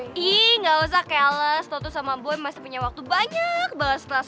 ih gak usah keles lo tuh sama boy masih punya waktu banyak bahas kelas